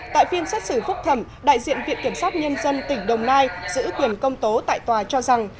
tại phiên xét xử phúc thẩm đại diện viện kiểm sát nhân dân tỉnh đồng nai giữ quyền công tố tại tòa cho rằng